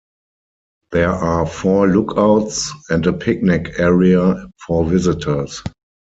There are four lookouts and a picnic area for visitors.